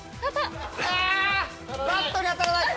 あバットに当たらない！